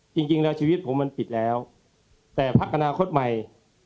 จริงแล้วชีวิตผมมันปิดแล้วแต่พักอนาคตใหม่